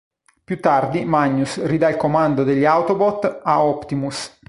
Più tardi, Magnus ridà il comando degli Autobot a Optimus.